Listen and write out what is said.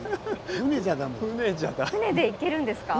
船で行けるんですか？